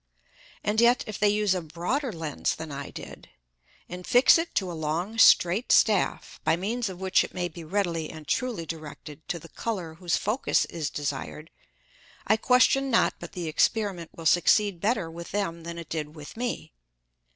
And yet, if they use a broader Lens than I did, and fix it to a long strait Staff, by means of which it may be readily and truly directed to the Colour whose Focus is desired, I question not but the Experiment will succeed better with them than it did with me.